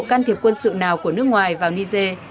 can thiệp quân sự nào của nước ngoài vào niger